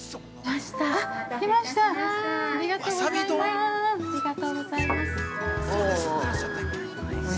◆ありがとうございます。